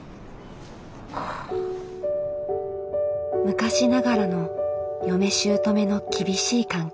昔ながらの嫁しゅうとめの厳しい関係。